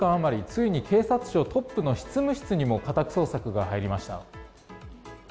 ついに警察庁トップの執務室にも家宅捜索が入りました。